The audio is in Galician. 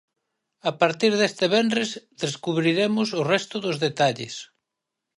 A partir deste venres descubriremos o resto dos detalles.